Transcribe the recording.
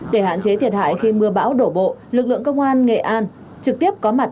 để hạn chế thiệt hại khi mưa bão đổ bộ lực lượng công an nghệ an trực tiếp có mặt